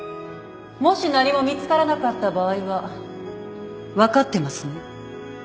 もし何も見つからなかった場合は分かってますね？